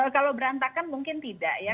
kalau berantakan mungkin tidak ya